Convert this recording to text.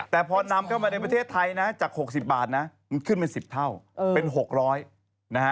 แต่พอนำเข้ามาในประเทศไทยจาก๖๐บาทขึ้นเป็น๑๐เท่าเป็น๖๐๐